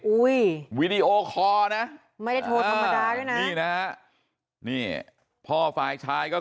อุ้ยวิดีโอคอนะไม่โทรธรรมดาด้วยนะนี่พ่อฝ่ายชายก็